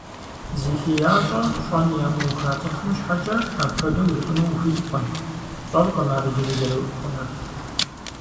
Зи хеящӀэ щӀэн ямыуха цӀыхум щхьэкӀэ апхуэдэу жыпӀэну ухуиткъым, пщӀэркъым ар иджыри зэрыхъунур.